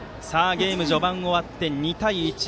ゲーム序盤が終わって２対１。